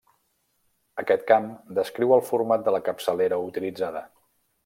Aquest camp descriu el format de la capçalera utilitzada.